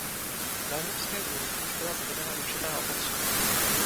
Na evropské úrovni již byla zavedena určitá opatření.